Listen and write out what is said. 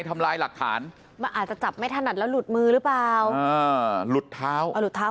ทำลายหลักฐานอาจจะจับไม่ถนัดแล้วหลุดมือหรือเปล่าหลุดท้าว